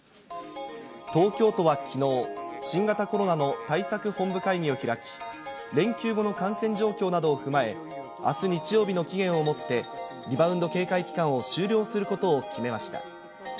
東京都はきのう、新型コロナの対策本部会議を開き、連休後の感染状況などを踏まえ、あす日曜日の期限をもって、リバウンド警戒期間を終了することを決めました。